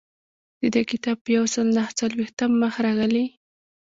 د دې کتاب په یو سل نهه څلویښتم مخ راغلی.